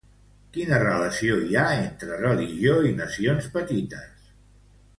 Quina relació hi ha entre religió i nacions petites?